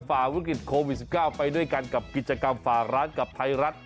ฝ่าวิกฤตโควิด๑๙ไปด้วยกันกับกิจกรรมฝากร้านกับไทยรัฐ